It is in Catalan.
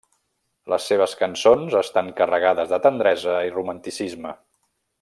Les seves cançons estan carregades de tendresa i romanticisme.